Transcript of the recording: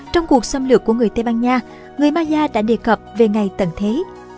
trong cuộc xâm lược của người tây ban nha người maya đã đề cập về ngày tận thế